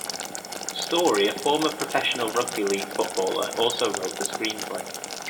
Storey, a former professional rugby league footballer, also wrote the screenplay.